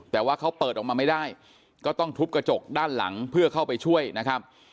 แต่ว่าเขาเปิดออกมาไม่ได้ก็ต้องทุบกระจกด้านหลังเพื่อเข้าไปช่วยนะครับ